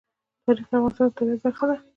تاریخ د افغانستان د طبیعت برخه ده.